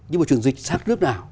nhưng mà truyền dịch sang nước nào